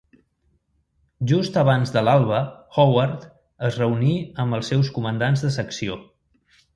Just abans de l'alba Howard es reuní amb els seus comandants de secció.